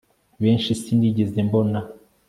benshi sinigeze mbona